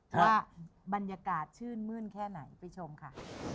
ว่าบรรยากาศชื่นมื้นแค่ไหนไปชมค่ะ